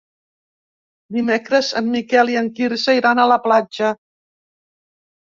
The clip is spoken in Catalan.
Dimecres en Miquel i en Quirze iran a la platja.